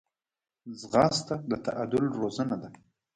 ځغاسته د تعادل روزنه ده